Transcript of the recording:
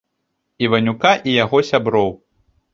Іванюка і яго сяброў.